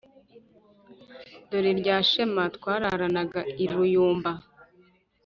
Dore rya shema twararanaga i Ruyumba